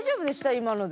今ので。